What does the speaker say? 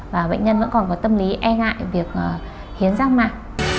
và bệnh nhân vẫn còn có tâm lý e ngại việc hiến rác mạc